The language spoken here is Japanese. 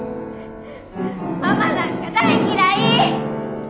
ママなんか大嫌い！